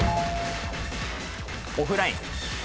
オフライン。